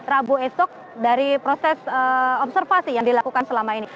rabu esok dari proses observasi yang dilakukan selama ini